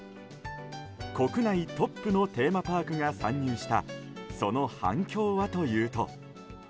国内トップのテーマパークが参入したその反響はというと。